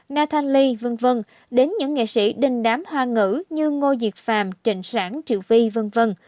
nathan lee v v đến những nghệ sĩ đình đám hoa ngữ như ngô diệt phạm trịnh sản triệu vi v v